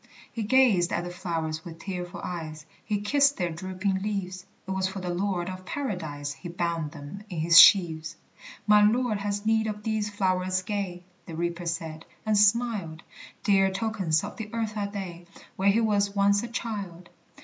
He gazed at the flowers with tearful eyes, He kissed their drooping leaves; It was for the Lord of Paradise He bound them in his sheaves. "My Lord has need of these flowerets gay," The Reaper said, and smiled; "Dear tokens of the earth are they, Where he was once a child.